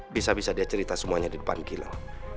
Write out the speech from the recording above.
bisa bisa dia cerita semuanya di depan kilo